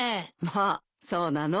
まあそうなの？